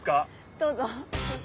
どうぞ。